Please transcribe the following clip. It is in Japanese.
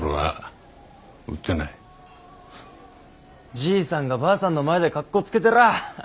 じいさんがばあさんの前でかっこつけてら。